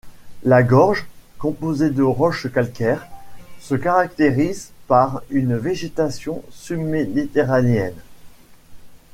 La gorge, composée de roches calcaires, se caractérise par une végétation sub-méditerranéenne.